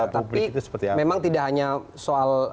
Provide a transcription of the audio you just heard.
tapi memang tidak hanya soal